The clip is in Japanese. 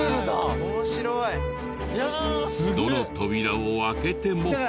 どの扉を開けても。